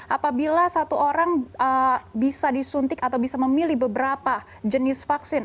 apabila satu orang bisa disuntik atau bisa memilih beberapa jenis vaksin